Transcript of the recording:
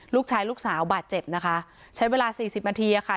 ลูกสาวลูกสาวบาดเจ็บนะคะใช้เวลาสี่สิบนาทีค่ะ